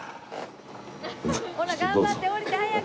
ほら頑張って降りて早く。